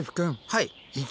はい。